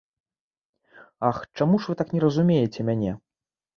Ах, чаму ж вы так не разумееце мяне?